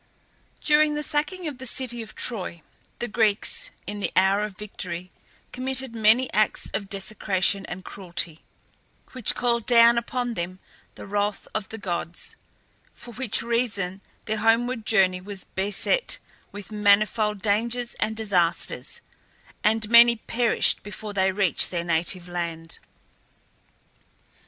During the sacking of the city of Troy the Greeks, in the hour of victory, committed many acts of desecration and cruelty, which called down upon them the wrath of the gods, for which reason their homeward voyage was beset with manifold dangers and disasters, and many perished before they reached their native land.